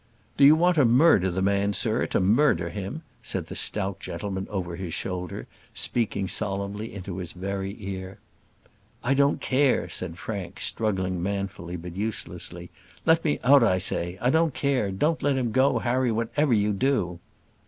"Do you want to murder the man, sir; to murder him?" said the stout gentleman over his shoulder, speaking solemnly into his very ear. "I don't care," said Frank, struggling manfully but uselessly. "Let me out, I say; I don't care don't let him go, Harry, whatever you do."